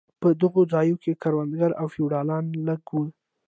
په دغو ځایو کې کروندګر او فیوډالان لږ وو.